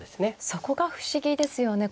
そこが不思議ですよね。